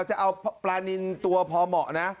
จะเอาปลานินตัวพอเหมาะนะ